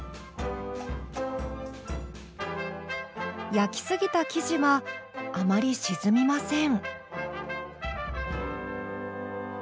焼きすぎた生地はあまり沈みません。